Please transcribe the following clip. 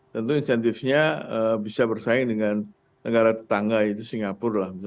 tentu insentifnya bisa bersaing dengan negara tetangga yaitu singapura